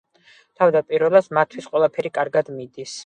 თავდაპირველად, მათთვის ყველაფერი კარგად მიდის.